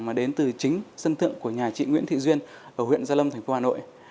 mà đến từ chính sân tượng của nhà chị nguyễn thị duyên ở huyện gia lâm tp hà nội